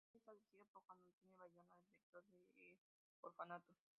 El videoclip está dirigido por Juan Antonio Bayona, el director de El orfanato.